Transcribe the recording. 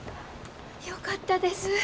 よかったです。